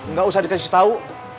nggak usah dikasih tahu